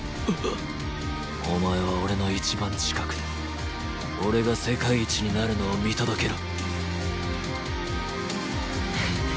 お前は俺の一番近くで俺が世界一になるのを見届けろ。